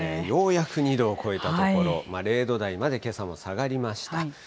ようやく２度を超えたところ、０度台までけさも下がりました。